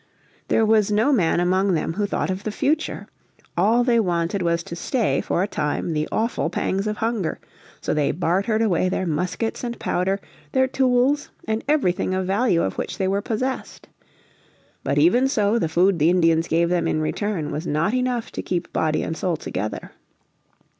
There was no man among them who thought of the future. All they wanted was to stay for a time the awful pangs of hunger. So they bartered away their muskets and powder, their tools, and everything of value of which they were possessed. But even so the food the Indians gave them in return was not enough to keep body and soul together.